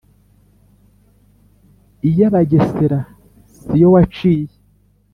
iy' abagesera si yo waciye